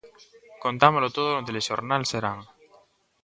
Contámolo todo no Telexornal Serán.